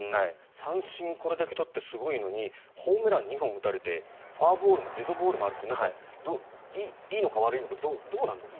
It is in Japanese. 三振これだけ取ってすごいのにホームラン２本打たれてフォアボールもデッドボールもあるといういいのか悪いのかどうなんですか？